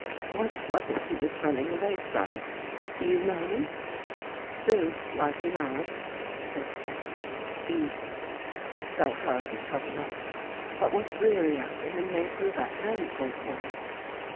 " What was it he was running away from, ; do you know? "|" Spooks, like enough," said Jeffrey easily. |" They'll hardly trouble us. But what's really after him may prove a handful for us.